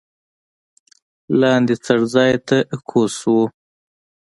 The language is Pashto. لاندې څړځای ته کوز شوو.